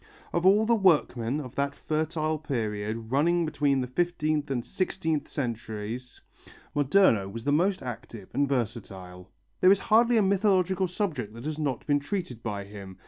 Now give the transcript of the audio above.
Of all the workmen of that fertile period running between the fifteenth and sixteenth centuries, Moderno was the most active and versatile. There is hardly a mythological subject that has not been treated by him.